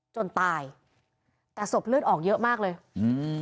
จนตายแต่ศพเลือดออกเยอะมากเลยอืม